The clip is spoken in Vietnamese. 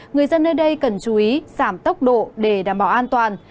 người dân nơi đây cần chú ý giảm tốc độ để đảm bảo an toàn